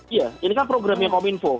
iya ini kan programnya kominfo